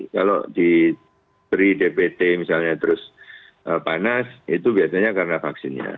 kalau diberi dpt misalnya terus panas itu biasanya karena vaksinnya